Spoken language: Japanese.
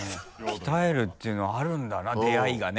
鍛えるっていうのあるんだな出あいがね。